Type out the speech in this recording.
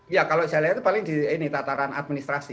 ya kalau saya lihat itu paling di ini tataran administrasi